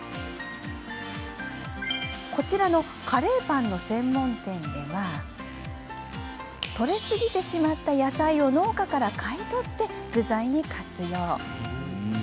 こちらのカレーパンの専門店では採れすぎてしまった野菜を農家から買い取って具材に活用。